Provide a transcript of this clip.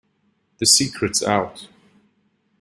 The secret's out.